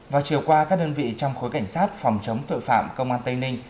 vào chiều qua các đơn vị trong khối cảnh sát phòng chống tội phạm công an tây ninh